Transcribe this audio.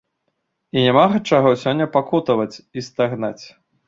І няма чаго сёння пакутаваць і стагнаць.